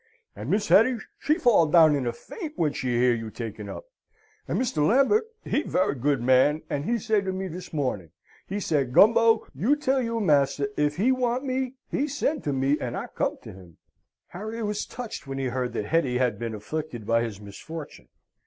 "And Miss Hetty she fall down in a faint, when she hear you taken up; and Mr. Lambert, he very good man, and he say to me this morning, he say, 'Gumbo, you tell your master if he want me he send to me, and I come to him.'" Harry was touched when he heard that Hetty had been afflicted by his misfortune.